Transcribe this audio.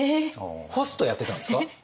ホストやってたんですか？